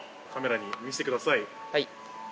はい。